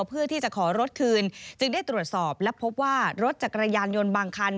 เพื่อที่จะขอรถคืนจึงได้ตรวจสอบและพบว่ารถจักรยานยนต์บางคัน